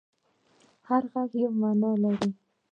هر غږ یوه معنی لري.